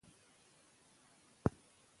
هغه په اصفهان کې د نوي ژوند پیل وکړ.